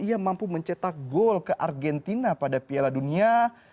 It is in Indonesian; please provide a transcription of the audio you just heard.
ia mampu mencetak gol ke argentina pada piala dunia seribu sembilan ratus sembilan puluh delapan